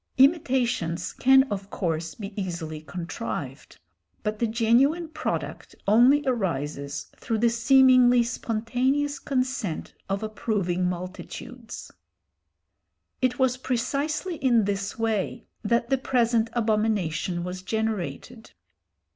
Imitations can of course be easily contrived, but the genuine product only arises through the seemingly spontaneous consent of approving multitudes. It was precisely in this way that the present abomination was generated.